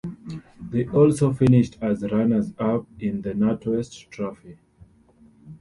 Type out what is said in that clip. They also finished as runners-up in the NatWest Trohpy.